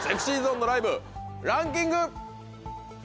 ＳｅｘｙＺｏｎｅのライブランキング。